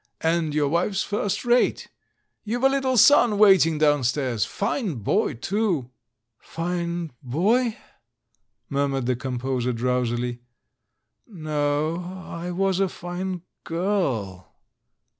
And your wife's first rate. You've a little son waiting downstairs — fine boy, too!" "Fine boy?" murmured the composer drowsily. "No, I was a fine girl.'